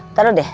ntar dulu deh